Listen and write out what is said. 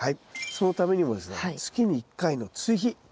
そのためにもですね月に１回の追肥土寄せ。